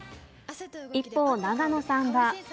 一方、永野さんは。